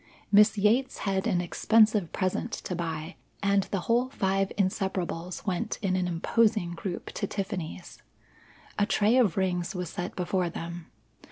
Miss Yates had an expensive present to buy, and the whole five Inseparables went in an imposing group to Tiffany's. A tray of rings was set before them.